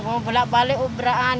mau pulak balik uberaan